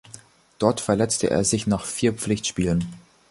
Dort verletzte er sich nach vier Pflichtspielen.